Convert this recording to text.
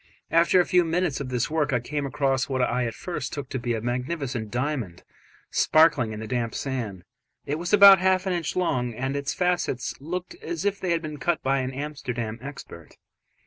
After a few minutes of this work, I came across what I at first took to be a magnificent diamond sparkling in the damp sand: it was about half an inch long, and its facets looked as if they had been cut by an Amsterdam expert.